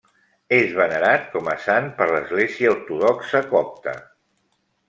És venerat com a sant per l'Església Ortodoxa Copta.